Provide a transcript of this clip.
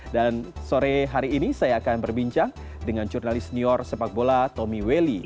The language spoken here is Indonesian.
dan sore hari ini saya akan berbincang dengan jurnalis senior sepak bola tommy welly